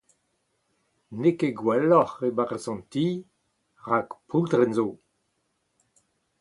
N’eo ket gwelloc’h e-barzh an ti, rak poultrenn zo.